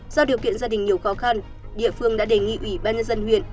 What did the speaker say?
do điều kiện gia đình nhiều khó khăn địa phương đã đề nghị ủy ban nhân dân huyện